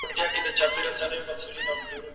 سردار محمد داود خان لا هم زموږ د پرمختګ لارښود دی.